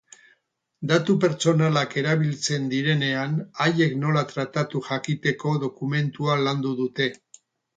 Datu pertsonalak erabiltzen direnean haiek nola tratatu jakiteko dokumentua landu dute.